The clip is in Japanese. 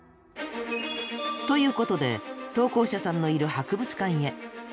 ということで投稿者さんのいる博物館へ。